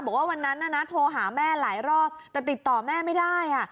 บอกว่าวันนั้นน่ะนะโทรหาแม่หลายรอบแต่ติดต่อแม่ไม่ได้